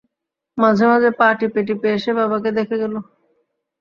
মাঝেমাঝে পা টিপে-টিপে এসে বাবাকে দেখে গেল।